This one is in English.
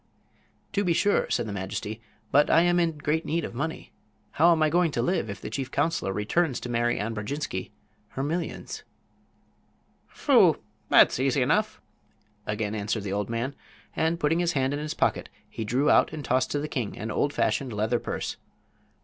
"To be sure," said the majesty. "But I am in great need of money. How am I going to live if the chief counselor returns to Mary Ann Brodjinski her millions?" "Phoo! that's easy enough," again answered the man, and, putting his hand in his pocket, he drew out and tossed to the king an old fashioned leather purse.